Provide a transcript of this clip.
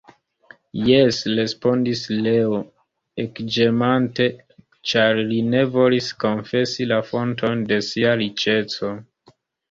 Jes, respondis Leo, ekĝemante, ĉar li ne volis konfesi la fonton de sia riĉeco.